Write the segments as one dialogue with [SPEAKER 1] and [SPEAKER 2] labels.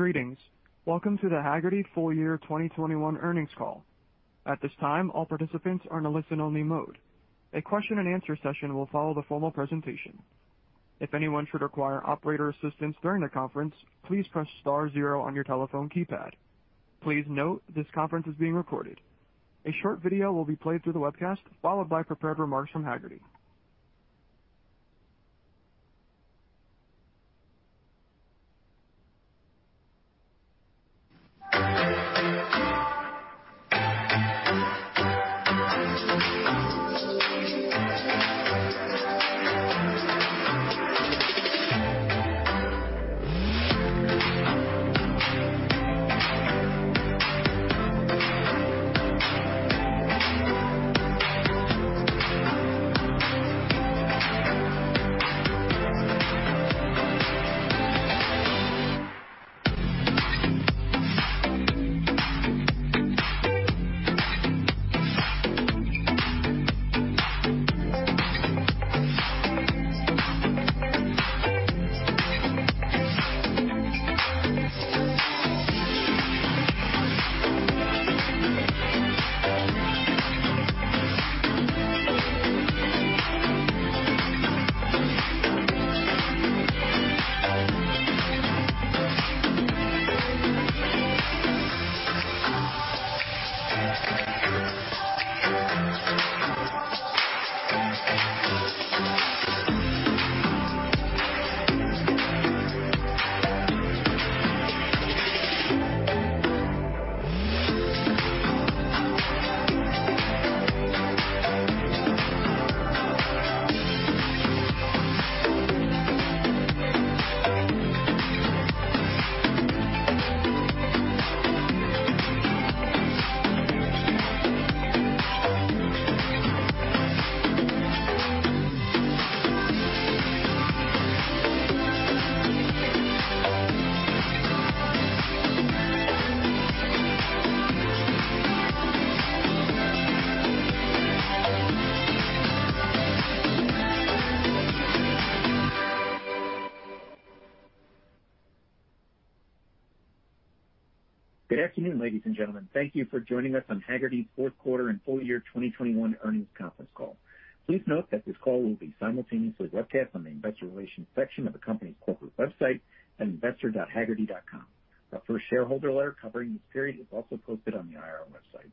[SPEAKER 1] Greetings. Welcome to the Hagerty full year 2021 earnings call. At this time, all participants are in a listen-only mode. A question and answer session will follow the formal presentation. If anyone should require operator assistance during the conference, please press star zero on your telephone keypad. Please note this conference is being recorded. A short video will be played through the webcast, followed by prepared remarks from Hagerty.
[SPEAKER 2] Good afternoon, ladies and gentlemen. Thank you for joining us on Hagerty's fourth quarter and full year 2021 earnings conference call. Please note that this call will be simultaneously webcast on the investor relations section of the company's corporate website at investor.hagerty.com. Our first shareholder letter covering this period is also posted on the IR website.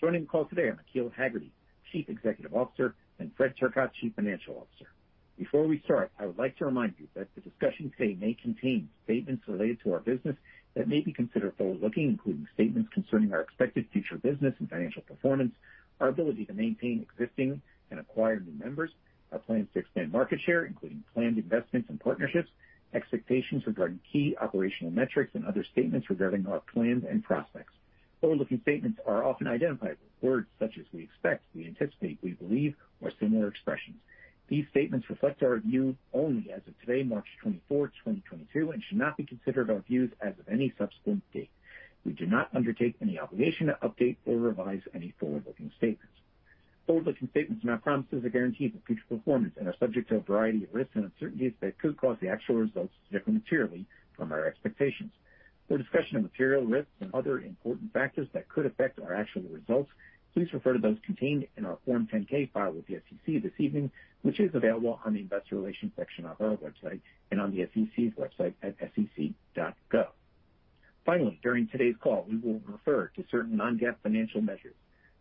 [SPEAKER 2] Joining the call today are McKeel Hagerty, Chief Executive Officer, and Fred Turcotte, Chief Financial Officer. Before we start, I would like to remind you that the discussion today may contain statements related to our business that may be considered forward-looking, including statements concerning our expected future business and financial performance, our ability to maintain existing and acquire new members, our plans to expand market share, including planned investments and partnerships, expectations regarding key operational metrics and other statements regarding our plans and prospects. Forward-looking statements are often identified with words such as we expect, we anticipate, we believe, or similar expressions. These statements reflect our view only as of today, March 24th, 2022, and should not be considered our views as of any subsequent date. We do not undertake any obligation to update or revise any forward-looking statements.
[SPEAKER 1] Forward-looking statements are not promises or guarantees of future performance and are subject to a variety of risks and uncertainties that could cause the actual results to differ materially from our expectations. For discussion of material risks and other important factors that could affect our actual results, please refer to those contained in our Form 10-K filed with the SEC this evening, which is available on the investor relations section of our website and on the SEC's website at sec.gov. Finally, during today's call, we will refer to certain non-GAAP financial measures.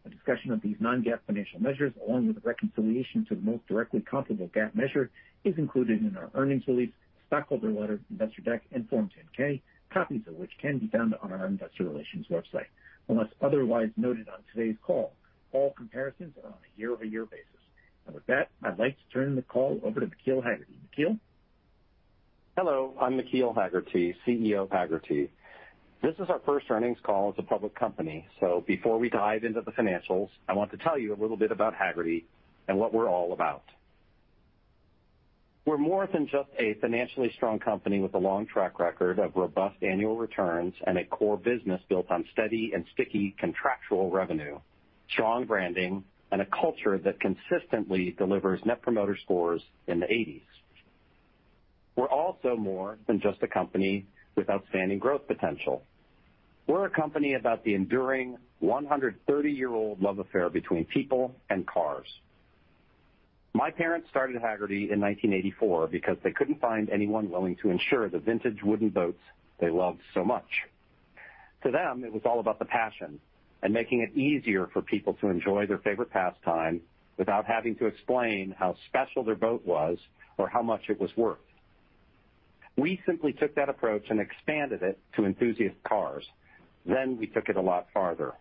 [SPEAKER 1] A discussion of these non-GAAP financial measures, along with a reconciliation to the most directly comparable GAAP measure, is included in our earnings release, stockholder letter, investor deck, and Form 10-K, copies of which can be found on our investor relations website. Unless otherwise noted on today's call, all comparisons are on a year-over-year basis. With that, I'd like to turn the call over to McKeel Hagerty. McKeel?
[SPEAKER 3] Hello, I'm McKeel Hagerty, CEO of Hagerty. This is our first earnings call as a public company. Before we dive into the financials, I want to tell you a little bit about Hagerty and what we're all about. We're more than just a financially strong company with a long track record of robust annual returns and a core business built on steady and sticky contractual revenue, strong branding, and a culture that consistently delivers net promoter scores in the 80s. We're also more than just a company with outstanding growth potential. We're a company about the enduring 130-year-old love affair between people and cars. My parents started Hagerty in 1984 because they couldn't find anyone willing to insure the vintage wooden boats they loved so much. To them, it was all about the passion and making it easier for people to enjoy their favorite pastime without having to explain how special their boat was or how much it was worth. We simply took that approach and expanded it to enthusiast cars. Then we took it a lot farther.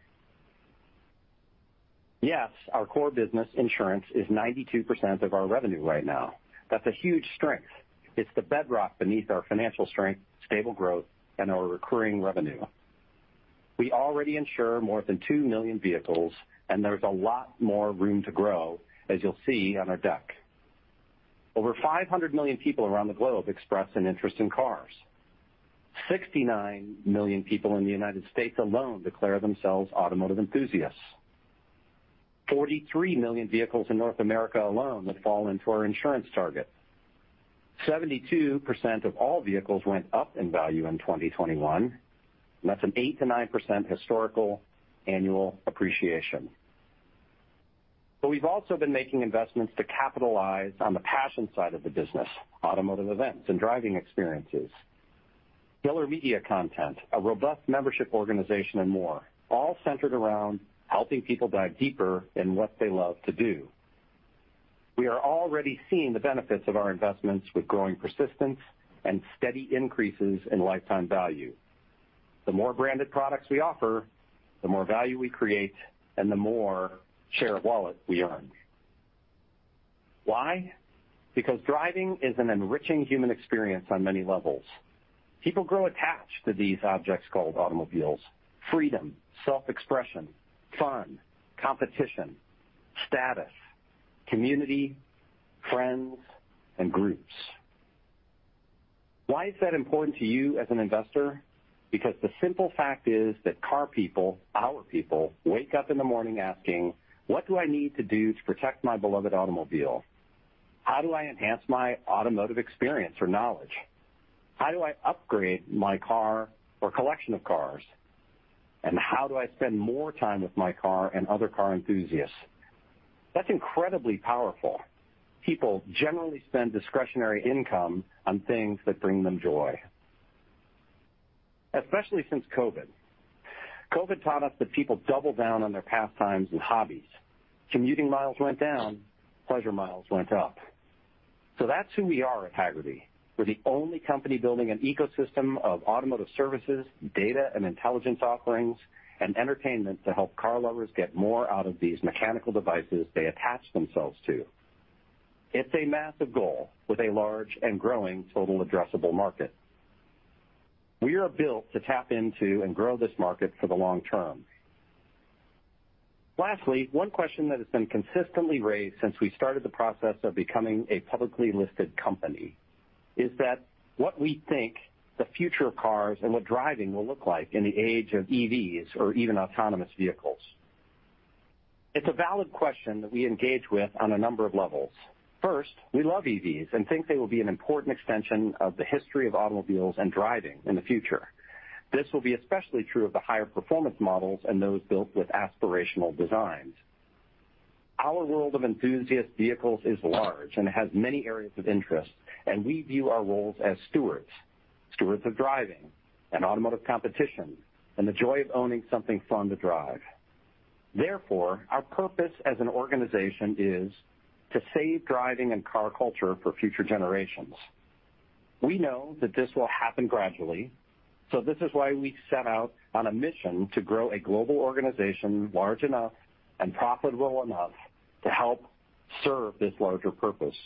[SPEAKER 3] Yes, our core business insurance is 92% of our revenue right now. That's a huge strength. It's the bedrock beneath our financial strength, stable growth, and our recurring revenue. We already insure more than 2 million vehicles, and there's a lot more room to grow, as you'll see on our deck. Over 500 million people around the globe express an interest in cars. 69 million people in the United States alone declare themselves automotive enthusiasts. 43 million vehicles in North America alone that fall into our insurance target. 72% of all vehicles went up in value in 2021, and that's an 8%-9% historical annual appreciation. We've also been making investments to capitalize on the passion side of the business, automotive events and driving experiences. Dealer media content, a robust membership organization and more, all centered around helping people dive deeper in what they love to do. We are already seeing the benefits of our investments with growing persistence and steady increases in lifetime value. The more branded products we offer, the more value we create and the more share of wallet we earn. Why? Because driving is an enriching human experience on many levels. People grow attached to these objects called automobiles, freedom, self-expression, fun, competition, status, community, friends, and groups. Why is that important to you as an investor? Because the simple fact is that car people, our people, wake up in the morning asking, "What do I need to do to protect my beloved automobile? How do I enhance my automotive experience or knowledge? How do I upgrade my car or collection of cars? And how do I spend more time with my car and other car enthusiasts?" That's incredibly powerful. People generally spend discretionary income on things that bring them joy, especially since COVID. COVID taught us that people double down on their pastimes and hobbies. Commuting miles went down, pleasure miles went up. That's who we are at Hagerty. We're the only company building an ecosystem of automotive services, data and intelligence offerings, and entertainment to help car lovers get more out of these mechanical devices they attach themselves to. It's a massive goal with a large and growing total addressable market. We are built to tap into and grow this market for the long term. Lastly, one question that has been consistently raised since we started the process of becoming a publicly listed company is that what we think the future of cars and what driving will look like in the age of EVs or even autonomous vehicles. It's a valid question that we engage with on a number of levels. First, we love EVs and think they will be an important extension of the history of automobiles and driving in the future. This will be especially true of the higher performance models and those built with aspirational designs. Our world of enthusiast vehicles is large and has many areas of interest, and we view our roles as stewards of driving and automotive competition, and the joy of owning something fun to drive. Therefore, our purpose as an organization is to save driving and car culture for future generations. We know that this will happen gradually, so this is why we set out on a mission to grow a global organization large enough and profitable enough to help serve this larger purpose.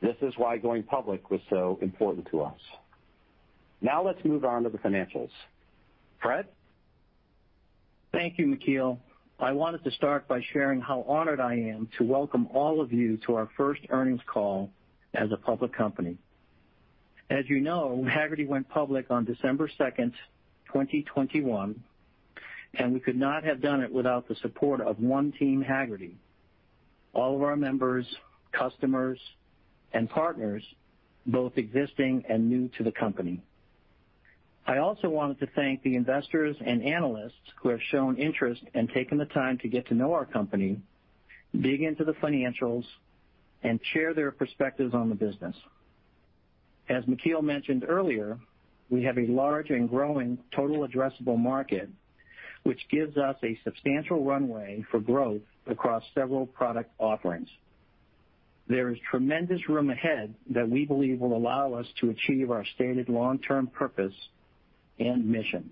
[SPEAKER 3] This is why going public was so important to us. Now let's move on to the financials. Fred.
[SPEAKER 4] Thank you, McKeel. I wanted to start by sharing how honored I am to welcome all of you to our first earnings call as a public company. As you know, Hagerty went public on December 2nd, 2021, and we could not have done it without the support of one team Hagerty, all of our members, customers, and partners, both existing and new to the company. I also wanted to thank the investors and analysts who have shown interest and taken the time to get to know our company, dig into the financials and share their perspectives on the business. As McKeel mentioned earlier, we have a large and growing total addressable market, which gives us a substantial runway for growth across several product offerings. There is tremendous room ahead that we believe will allow us to achieve our stated long-term purpose and mission.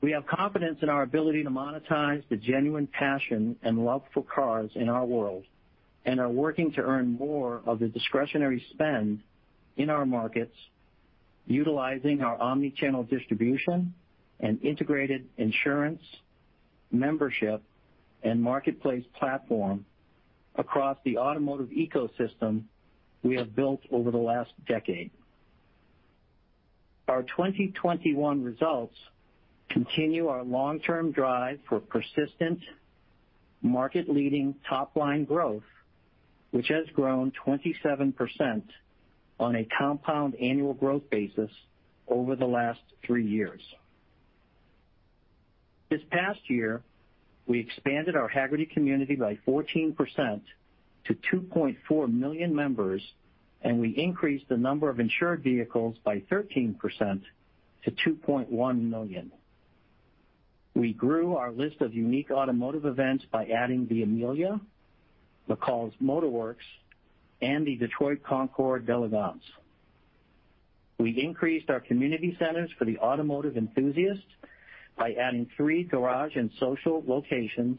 [SPEAKER 4] We have confidence in our ability to monetize the genuine passion and love for cars in our world and are working to earn more of the discretionary spend in our markets, utilizing our omni-channel distribution and integrated insurance, membership, and marketplace platform across the automotive ecosystem we have built over the last decade. Our 2021 results continue our long-term drive for persistent market-leading top-line growth, which has grown 27% on a compound annual growth basis over the last three years. This past year, we expanded our Hagerty community by 14% to 2.4 million members, and we increased the number of insured vehicles by 13% to 2.1 million. We grew our list of unique automotive events by adding The Amelia, McCall's Motorworks, and the Detroit Concours d'Elegance. We increased our community centers for the automotive enthusiasts by adding three Garage + Social locations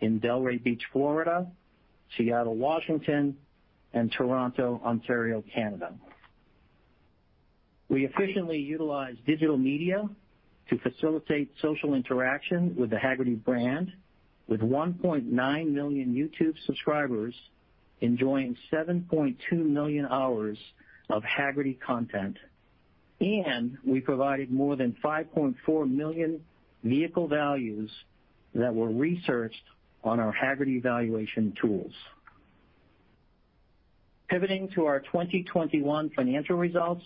[SPEAKER 4] in Delray Beach, Florida, Seattle, Washington, and Toronto, Ontario, Canada. We efficiently utilize digital media to facilitate social interaction with the Hagerty brand, with 1.9 million YouTube subscribers enjoying 7.2 million hours of Hagerty content. We provided more than 5.4 million vehicle values that were researched on our Hagerty Valuation Tools. Pivoting to our 2021 financial results,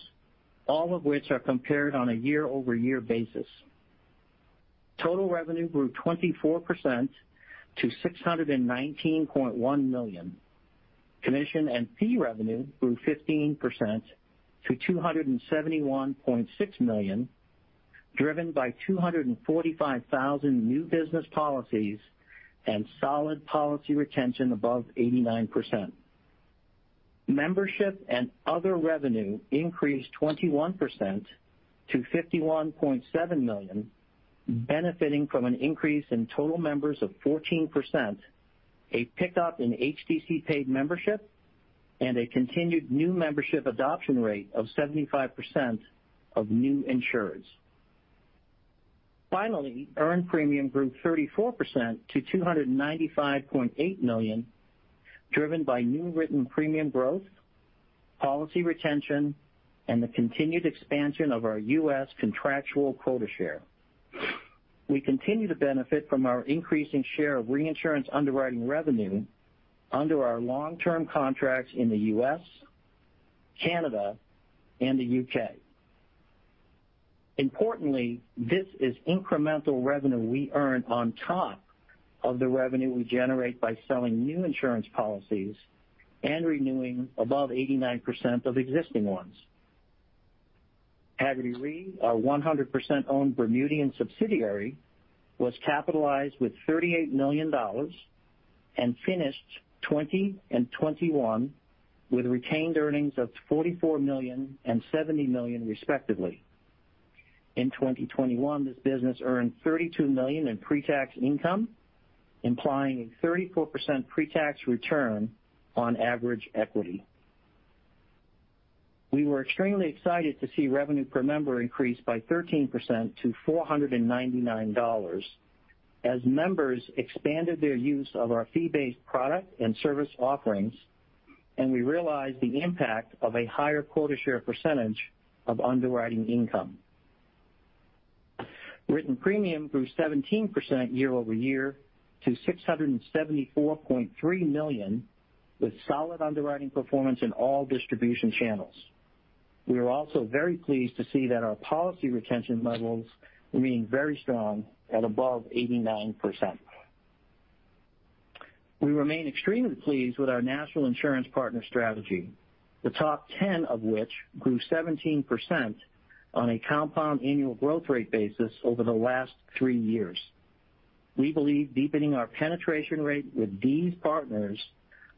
[SPEAKER 4] all of which are compared on a year-over-year basis. Total revenue grew 24% to $619.1 million. Commission and fee revenue grew 15% to $271.6 million, driven by 245,000 new business policies and solid policy retention above 89%. Membership and other revenue increased 21% to $51.7 million, benefiting from an increase in total members of 14%, a pickup in HDC paid membership, and a continued new membership adoption rate of 75% of new insureds. Finally, earned premium grew 34% to $295.8 million, driven by new written premium growth, policy retention, and the continued expansion of our U.S. contractual quota share. We continue to benefit from our increasing share of reinsurance underwriting revenue under our long-term contracts in the U.S., Canada, and the U.K. Importantly, this is incremental revenue we earn on top of the revenue we generate by selling new insurance policies and renewing above 89% of existing ones. Hagerty Re, our 100% owned Bermudian subsidiary, was capitalized with $38 million and finished 2020 and 2021 with retained earnings of $44 million and $70 million respectively. In 2021, this business earned $32 million in pre-tax income, implying a 34% pre-tax return on average equity. We were extremely excited to see revenue per member increase by 13% to $499 as members expanded their use of our fee-based product and service offerings, and we realized the impact of a higher quota share percentage of underwriting income. Written premium grew 17% year-over-year to $674.3 million with solid underwriting performance in all distribution channels. We are also very pleased to see that our policy retention levels remain very strong at above 89%. We remain extremely pleased with our national insurance partner strategy, the top ten of which grew 17% on a compound annual growth rate basis over the last three years. We believe deepening our penetration rate with these partners,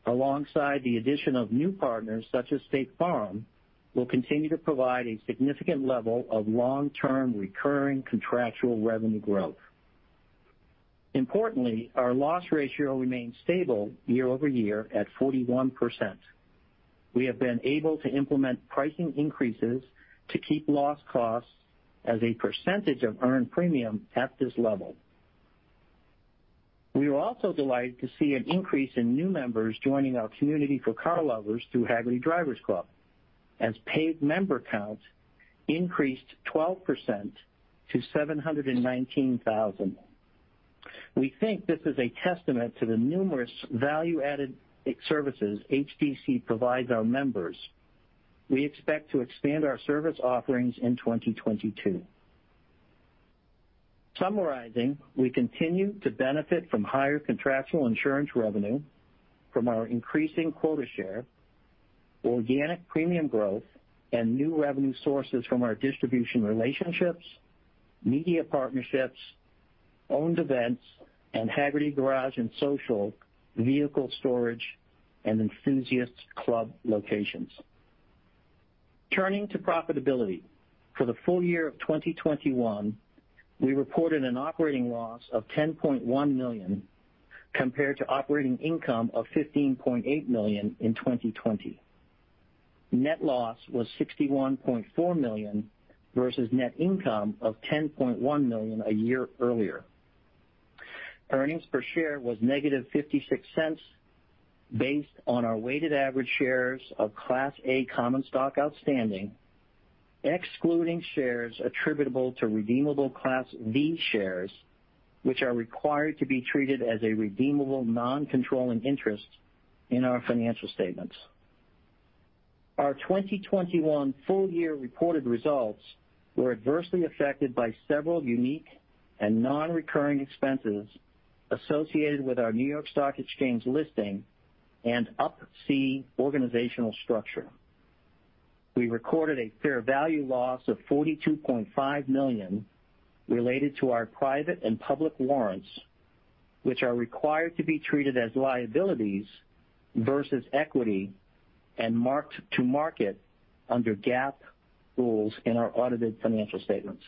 [SPEAKER 4] alongside the addition of new partners such as State Farm, will continue to provide a significant level of long-term recurring contractual revenue growth. Importantly, our loss ratio remained stable year-over-year at 41%. We have been able to implement pricing increases to keep loss costs as a percentage of earned premium at this level. We were also delighted to see an increase in new members joining our community for car lovers through Hagerty Drivers Club as paid member count increased 12% to 719,000. We think this is a testament to the numerous value-added services HDC provides our members. We expect to expand our service offerings in 2022. Summarizing, we continue to benefit from higher contractual insurance revenue from our increasing quota share, organic premium growth, and new revenue sources from our distribution relationships, media partnerships, owned events, and Hagerty Garage + Social vehicle storage and enthusiast club locations. Turning to profitability, for the full year of 2021, we reported an operating loss of $10.1 million compared to operating income of $15.8 million in 2020. Net loss was $61.4 million versus net income of $10.1 million a year earlier. Earnings per share was -$0.56 based on our weighted average shares of Class A common stock outstanding, excluding shares attributable to redeemable Class V shares, which are required to be treated as a redeemable non-controlling interest in our financial statements. Our 2021 full year reported results were adversely affected by several unique and non-recurring expenses associated with our New York Stock Exchange listing and Up-C organizational structure. We recorded a fair value loss of $42.5 million related to our private and public warrants, which are required to be treated as liabilities versus equity and marked to market under GAAP rules in our audited financial statements.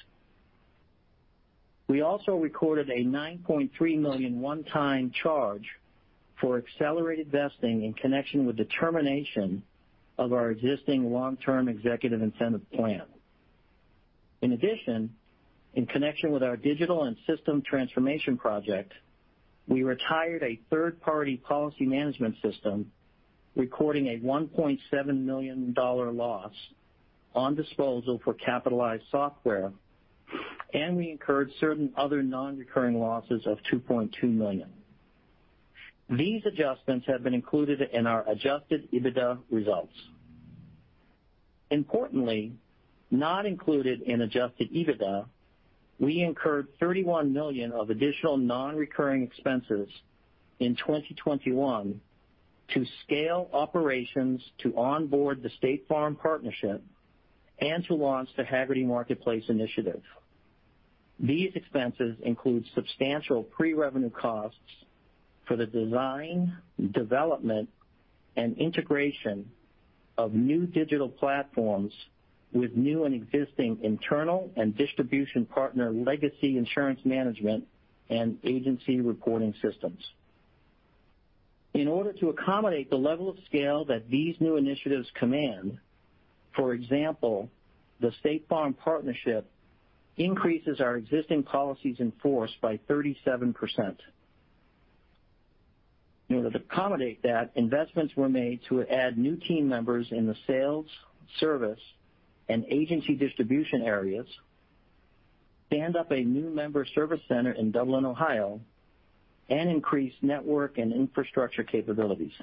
[SPEAKER 4] We also recorded a $9.3 million one-time charge for accelerated vesting in connection with the termination of our existing long-term executive incentive plan. In addition, in connection with our digital and system transformation project, we retired a third-party policy management system recording a $1.7 million loss on disposal for capitalized software, and we incurred certain other non-recurring losses of $2.2 million. These adjustments have been included in our adjusted EBITDA results. Importantly, not included in adjusted EBITDA, we incurred $31 million of additional non-recurring expenses in 2021 to scale operations to onboard the State Farm partnership and to launch the Hagerty Marketplace initiative. These expenses include substantial pre-revenue costs for the design, development, and integration of new digital platforms with new and existing internal and distribution partner legacy insurance management and agency reporting systems. In order to accommodate the level of scale that these new initiatives command, for example, the State Farm partnership increases our existing policies in force by 37%. In order to accommodate that, investments were made to add new team members in the sales, service, and agency distribution areas, stand up a new member service center in Dublin, Ohio, and increase network and infrastructure capabilities.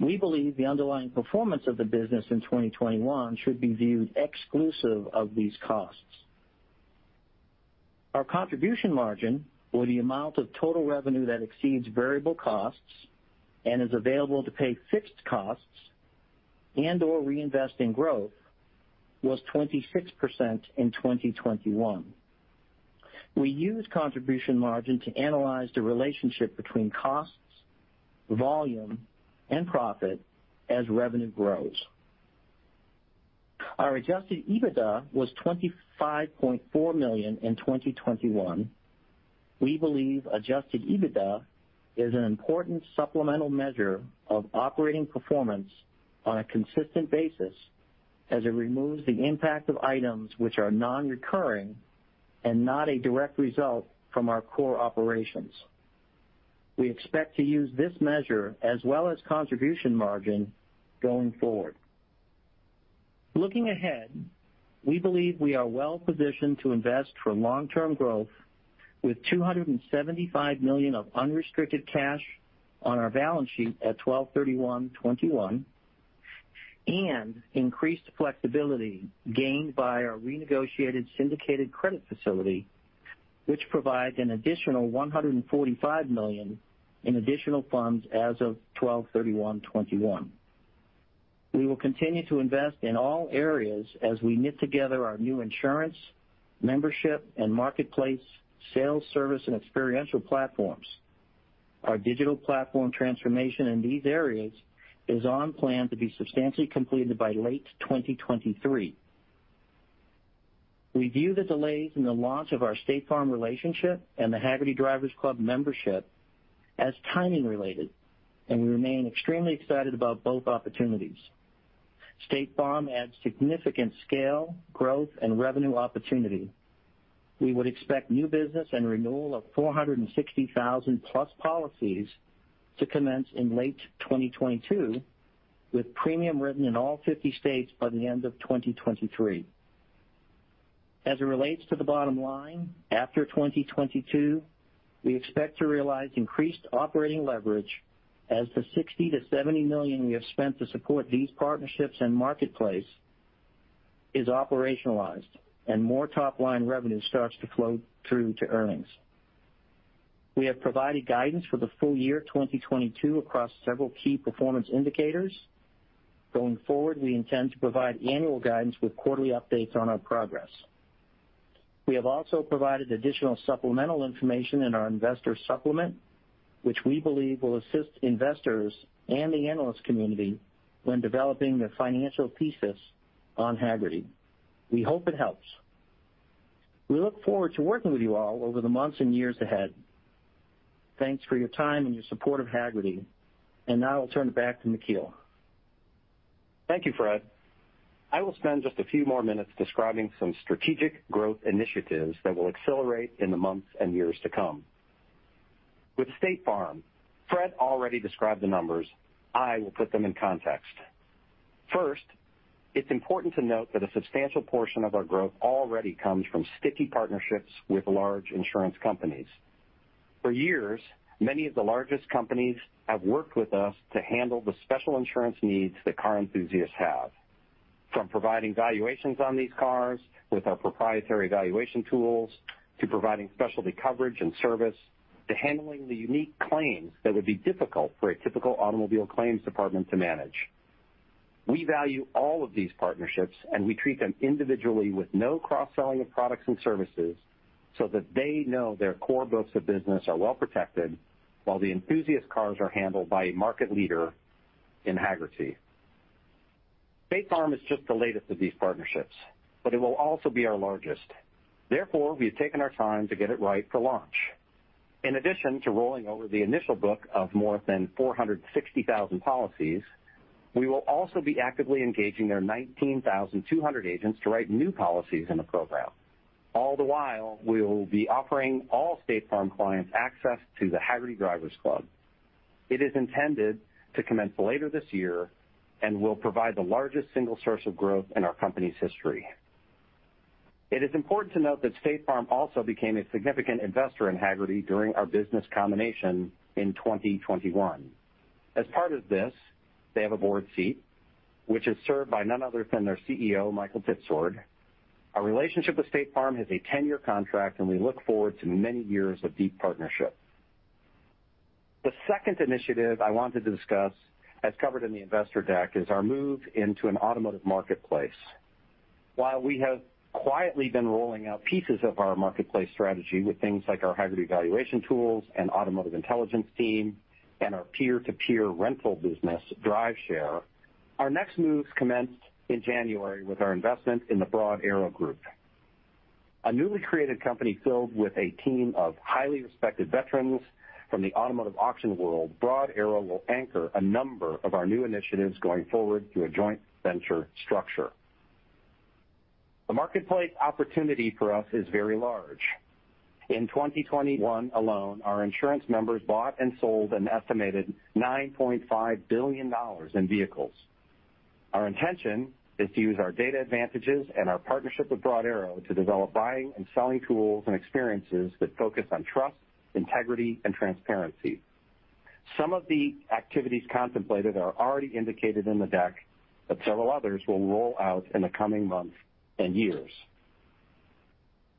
[SPEAKER 4] We believe the underlying performance of the business in 2021 should be viewed exclusive of these costs. Our contribution margin or the amount of total revenue that exceeds variable costs and is available to pay fixed costs and or reinvest in growth was 26% in 2021. We use contribution margin to analyze the relationship between costs, volume, and profit as revenue grows. Our adjusted EBITDA was $25.4 million in 2021. We believe adjusted EBITDA is an important supplemental measure of operating performance on a consistent basis as it removes the impact of items which are non-recurring and not a direct result from our core operations. We expect to use this measure as well as contribution margin going forward. Looking ahead, we believe we are well-positioned to invest for long-term growth with $275 million of unrestricted cash on our balance sheet at 12/31/2021, and increased flexibility gained by our renegotiated syndicated credit facility, which provides an additional $145 million in additional funds as of 12/31/2021. We will continue to invest in all areas as we knit together our new insurance, membership, and marketplace, sales, service, and experiential platforms. Our digital platform transformation in these areas is on plan to be substantially completed by late 2023. We view the delays in the launch of our State Farm relationship and the Hagerty Drivers Club membership as timing related, and we remain extremely excited about both opportunities. State Farm adds significant scale, growth, and revenue opportunity. We would expect new business and renewal of 460,000+ policies to commence in late 2022 with premium written in all 50 states by the end of 2023. As it relates to the bottom line, after 2022, we expect to realize increased operating leverage as the $60 million-$70 million we have spent to support these partnerships and marketplace is operationalized and more top-line revenue starts to flow through to earnings. We have provided guidance for the full year 2022 across several key performance indicators. Going forward, we intend to provide annual guidance with quarterly updates on our progress. We have also provided additional supplemental information in our investor supplement, which we believe will assist investors and the analyst community when developing their financial thesis on Hagerty. We hope it helps. We look forward to working with you all over the months and years ahead. Thanks for your time and your support of Hagerty. Now I'll turn it back to McKeel.
[SPEAKER 3] Thank you, Fred. I will spend just a few more minutes describing some strategic growth initiatives that will accelerate in the months and years to come. With State Farm, Fred already described the numbers. I will put them in context. First, it's important to note that a substantial portion of our growth already comes from sticky partnerships with large insurance companies. For years, many of the largest companies have worked with us to handle the special insurance needs that car enthusiasts have. From providing valuations on these cars with our proprietary valuation tools, to providing specialty coverage and service, to handling the unique claims that would be difficult for a typical automobile claims department to manage. We value all of these partnerships, and we treat them individually with no cross-selling of products and services so that they know their core books of business are well protected while the enthusiast cars are handled by a market leader in Hagerty. State Farm is just the latest of these partnerships, but it will also be our largest. Therefore, we've taken our time to get it right for launch. In addition to rolling over the initial book of more than 460,000 policies, we will also be actively engaging their 19,200 agents to write new policies in the program. All the while, we will be offering all State Farm clients access to the Hagerty Drivers Club. It is intended to commence later this year and will provide the largest single source of growth in our company's history. It is important to note that State Farm also became a significant investor in Hagerty during our business combination in 2021. As part of this, they have a board seat, which is served by none other than their CEO, Michael Tipsord. Our relationship with State Farm is a 10-year contract, and we look forward to many years of deep partnership. The second initiative I want to discuss, as covered in the investor deck, is our move into an automotive marketplace. While we have quietly been rolling out pieces of our marketplace strategy with things like our Hagerty Valuation Tools and automotive intelligence team and our peer-to-peer rental business, DriveShare, our next moves commenced in January with our investment in the Broad Arrow Group. A newly created company filled with a team of highly respected veterans from the automotive auction world, Broad Arrow will anchor a number of our new initiatives going forward through a joint venture structure. The marketplace opportunity for us is very large. In 2021 alone, our insurance members bought and sold an estimated $9.5 billion in vehicles. Our intention is to use our data advantages and our partnership with Broad Arrow to develop buying and selling tools and experiences that focus on trust, integrity, and transparency. Some of the activities contemplated are already indicated in the deck, but several others will roll out in the coming months and years.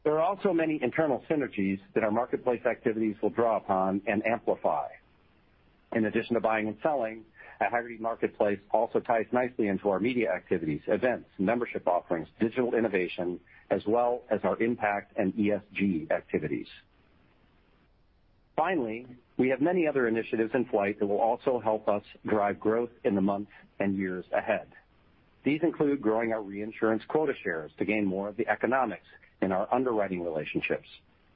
[SPEAKER 3] There are also many internal synergies that our marketplace activities will draw upon and amplify. In addition to buying and selling, a Hagerty Marketplace also ties nicely into our media activities, events, membership offerings, digital innovation, as well as our impact and ESG activities. Finally, we have many other initiatives in flight that will also help us drive growth in the months and years ahead. These include growing our reinsurance quota shares to gain more of the economics in our underwriting relationships,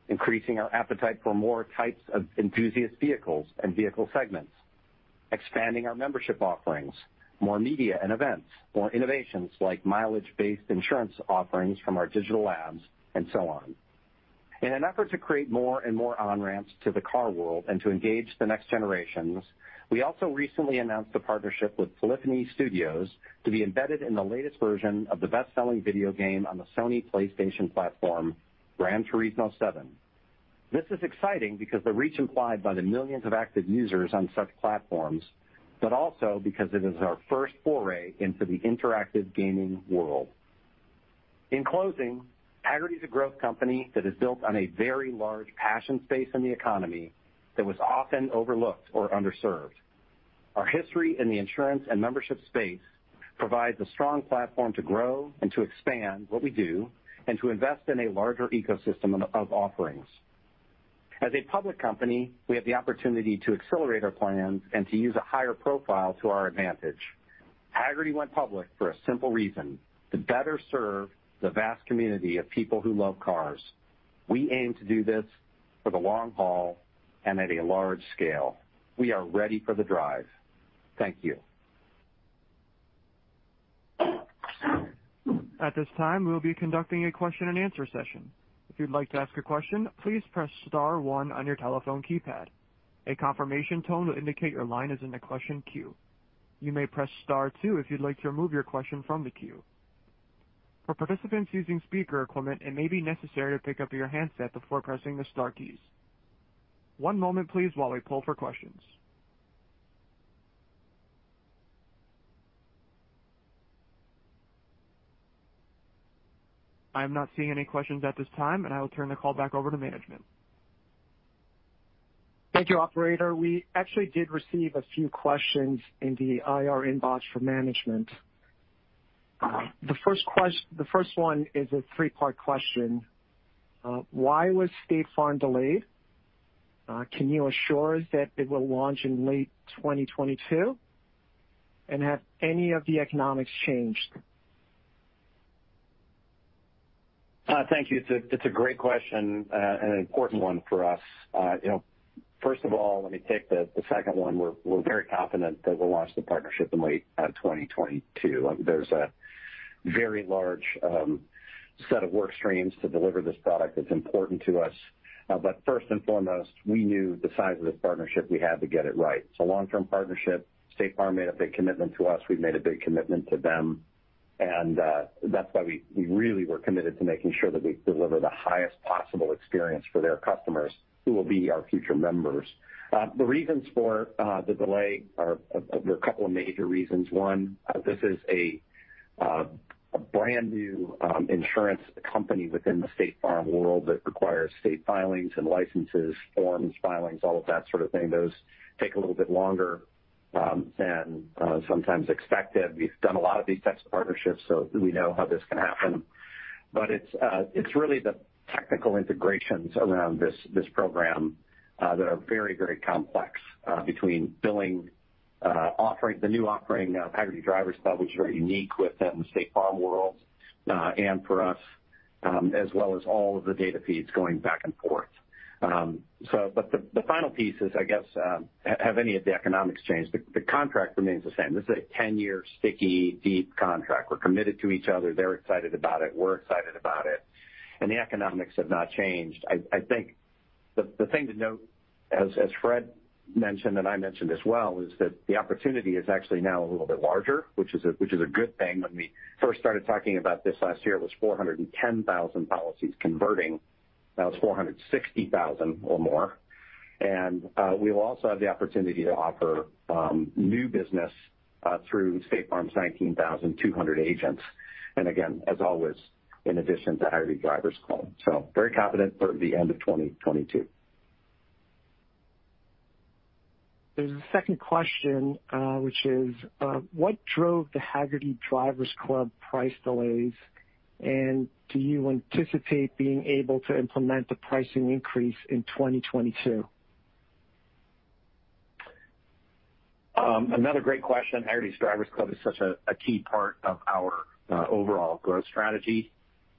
[SPEAKER 3] increasing our appetite for more types of enthusiast vehicles and vehicle segments, expanding our membership offerings, more media and events, more innovations like mileage-based insurance offerings from our digital labs, and so on. In an effort to create more and more on-ramps to the car world and to engage the next generations, we also recently announced a partnership with Polyphony Studios to be embedded in the latest version of the best-selling video game on the Sony PlayStation platform, Gran Turismo 7. This is exciting because the reach implied by the millions of active users on such platforms, but also because it is our first foray into the interactive gaming world. In closing, Hagerty is a growth company that is built on a very large passion space in the economy that was often overlooked or underserved. Our history in the insurance and membership space provides a strong platform to grow and to expand what we do and to invest in a larger ecosystem of offerings. As a public company, we have the opportunity to accelerate our plans and to use a higher profile to our advantage. Hagerty went public for a simple reason: to better serve the vast community of people who love cars. We aim to do this for the long haul and at a large scale. We are ready for the drive. Thank you.
[SPEAKER 1] At this time, we will be conducting a question and answer session. If you'd like to ask a question, please press star one on your telephone keypad. A confirmation tone will indicate your line is in the question queue. You may press star two if you'd like to remove your question from the queue. For participants using speaker equipment, it may be necessary to pick up your handset before pressing the star keys. One moment, please, while we pull for questions. I'm not seeing any questions at this time, and I will turn the call back over to management.
[SPEAKER 2] Thank you, Operator. We actually did receive a few questions in the IR inbox for management. The first one is a three-part question. Why was State Farm delayed? Can you assure us that it will launch in late 2022? Have any of the economics changed?
[SPEAKER 3] Thank you. It's a great question and an important one for us. You know, first of all, let me take the second one. We're very confident that we'll launch the partnership in late 2022. There's a very large set of work streams to deliver this product that's important to us. First and foremost, we knew the size of this partnership, we had to get it right. It's a long-term partnership. State Farm made a big commitment to us. We've made a big commitment to them. That's why we really were committed to making sure that we deliver the highest possible experience for their customers, who will be our future members. The reasons for the delay are. There are a couple of major reasons. One, this is a brand-new insurance company within the State Farm world that requires state filings and licenses, forms, filings, all of that sort of thing. Those take a little bit longer than sometimes expected. We've done a lot of these types of partnerships, so we know how this can happen. It's really the technical integrations around this program that are very, very complex between billing, the new offering now, Hagerty Drivers Club, which are unique with them in the State Farm world, and for us, as well as all of the data feeds going back and forth. The final piece is, I guess, have any of the economics changed? The contract remains the same. This is a ten-year sticky deep contract. We're committed to each other. They're excited about it, we're excited about it, and the economics have not changed. I think the thing to note, as Fred mentioned and I mentioned as well, is that the opportunity is actually now a little bit larger, which is a good thing. When we first started talking about this last year, it was 410,000 policies converting. Now it's 460,000 or more. We will also have the opportunity to offer new business through State Farm's 19,200 agents. Again, as always, in addition to Hagerty Drivers Club. Very confident for the end of 2022.
[SPEAKER 2] There's a second question, which is, what drove the Hagerty Drivers Club price delays? Do you anticipate being able to implement the pricing increase in 2022?
[SPEAKER 3] Another great question. Hagerty Drivers Club is such a key part of our overall growth strategy.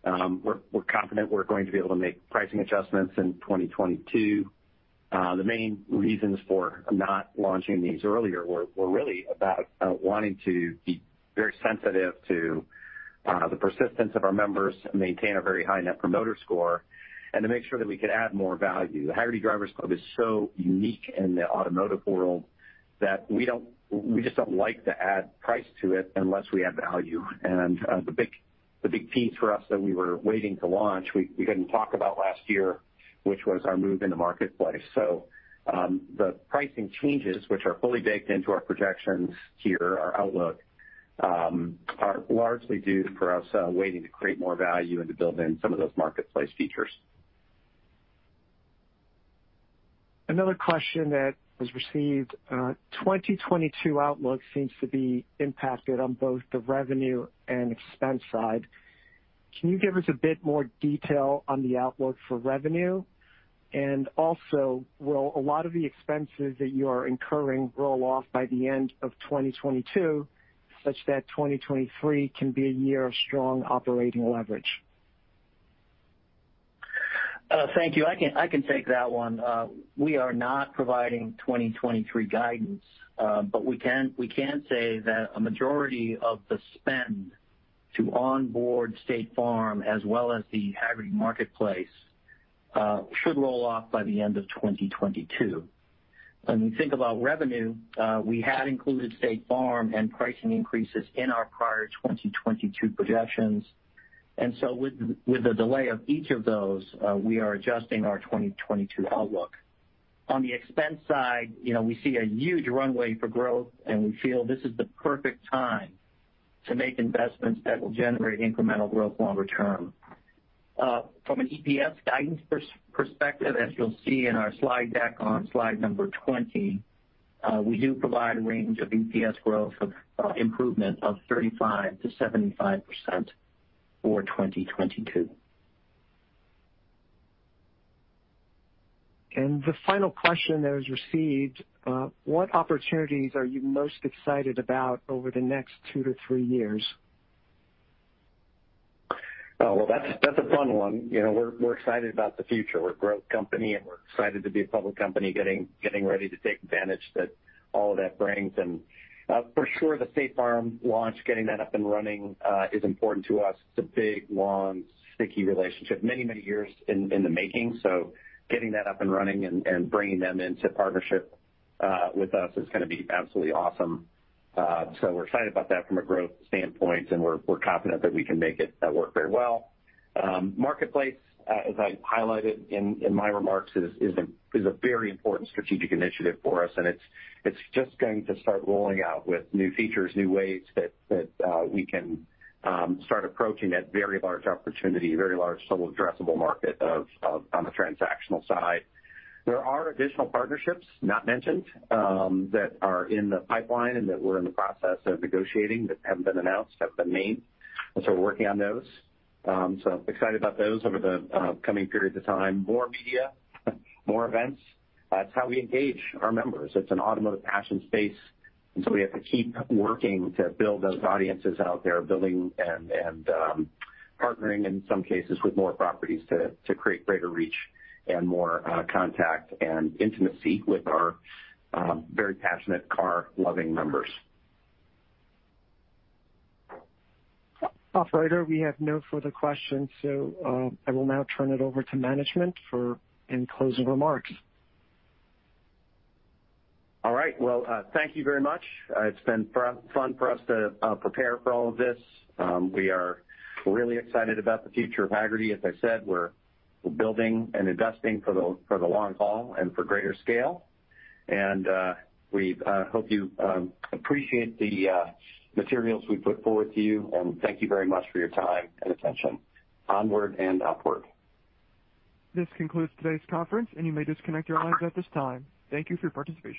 [SPEAKER 3] We're confident we're going to be able to make pricing adjustments in 2022. The main reasons for not launching these earlier were really about wanting to be very sensitive to the persistence of our members, maintain a very high net promoter score, and to make sure that we could add more value. The Hagerty Drivers Club is so unique in the automotive world that we just don't like to add price to it unless we add value. The big piece for us that we were waiting to launch, we didn't talk about last year, which was our move into Marketplace. The pricing changes which are fully baked into our projections here, our outlook, are largely due to us waiting to create more value and to build in some of those Marketplace features.
[SPEAKER 2] Another question that was received. 2022 outlook seems to be impacted on both the revenue and expense side. Can you give us a bit more detail on the outlook for revenue? Also, will a lot of the expenses that you are incurring roll off by the end of 2022, such that 2023 can be a year of strong operating leverage?
[SPEAKER 4] Thank you. I can take that one. We are not providing 2023 guidance. But we can say that a majority of the spend to onboard State Farm as well as the Hagerty Marketplace should roll off by the end of 2022. When we think about revenue, we had included State Farm and pricing increases in our prior 2022 projections. With the delay of each of those, we are adjusting our 2022 outlook. On the expense side, you know, we see a huge runway for growth, and we feel this is the perfect time to make investments that will generate incremental growth longer term. From an EPS guidance perspective, as you'll see in our slide deck on slide number 20, we do provide a range of EPS growth improvement of 35%-75% for 2022.
[SPEAKER 2] The final question that is received, what opportunities are you most excited about over the next two to three years?
[SPEAKER 3] Oh, well, that's a fun one. You know, we're excited about the future. We're a growth company, and we're excited to be a public company, getting ready to take advantage that all of that brings. For sure, the State Farm launch, getting that up and running, is important to us. It's a big, long, sticky relationship, many years in the making. Getting that up and running and bringing them into partnership with us is gonna be absolutely awesome. We're excited about that from a growth standpoint, and we're confident that we can make it work very well. Marketplace, as I highlighted in my remarks, is a very important strategic initiative for us, and it's just going to start rolling out with new features, new ways that we can start approaching that very large opportunity, very large total addressable market on the transactional side. There are additional partnerships not mentioned that are in the pipeline and that we're in the process of negotiating that haven't been announced, have been made, and so we're working on those. Excited about those over the coming periods of time. More media, more events. That's how we engage our members. It's an automotive passion space, and so we have to keep working to build those audiences out there, building and partnering in some cases with more properties to create greater reach and more contact and intimacy with our very passionate car-loving members.
[SPEAKER 2] Operator, we have no further questions, so, I will now turn it over to management for any closing remarks.
[SPEAKER 3] All right. Well, thank you very much. It's been fun for us to prepare for all of this. We are really excited about the future of Hagerty. As I said, we're building and investing for the long haul and for greater scale. We hope you appreciate the materials we put forward to you, and thank you very much for your time and attention. Onward and upward.
[SPEAKER 1] This concludes today's conference, and you may disconnect your lines at this time. Thank you for your participation.